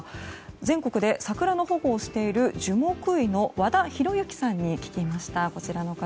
全国で桜の保護をしている樹木医の和田博幸さんに聞きました。